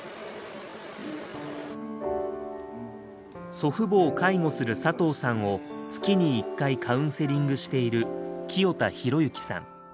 祖父母を介護する佐藤さんを月に１回カウンセリングしている清田ひろゆきさん。